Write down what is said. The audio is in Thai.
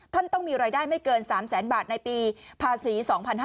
ท่านต้องมีรายได้ไม่เกิน๓แสนบาทในปีภาษี๒๕๕๙